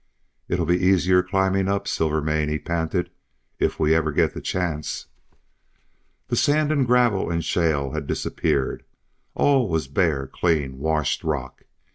"It'll be easier climbing up, Silvermane," he panted "if we ever get the chance." The sand and gravel and shale had disappeared; all was bare clean washed rock.